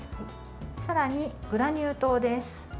さらにグラニュー糖です。